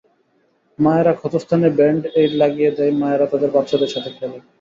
মায়েরা ক্ষতস্থানে ব্যান্ড-এইড লাগিয়ে দেয় মায়েরা তাদের বাচ্চাদের সাথে খেলে।